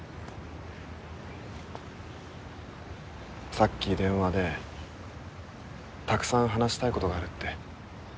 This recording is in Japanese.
さっき電話でたくさん話したいことがあるって。